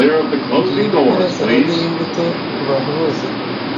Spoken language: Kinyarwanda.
Ngiye gukora salade yimbuto kubantu bose.